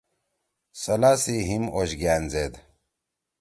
سلا سی ہیِم اوشگأن زید